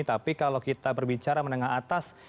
tapi kalau kita berbicara menengah atas